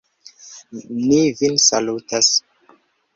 Ni vin salutas!